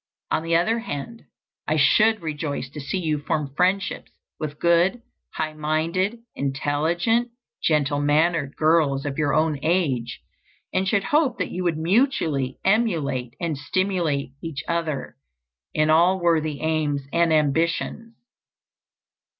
On the other hand, I should rejoice to see you form friendships with good, high minded, intelligent, gentle mannered girls of your own age, and should hope that you would mutually emulate and stimulate each other in all worthy aims and ambitions.